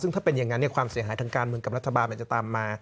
ซึ่งถ้าเป็นอย่างนั้นความเสียหายทางการเมืองกับรัฐบาลมันจะตามมา